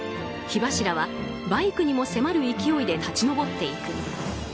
火柱はバイクにも迫る勢いで立ち上っていく。